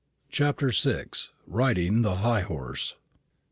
CHAPTER VI. RIDING THE HIGH HORSE.